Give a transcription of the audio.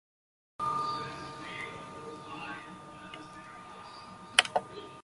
Bheka ukuthi ungakwazi yini ukuzakhela indlu yakho.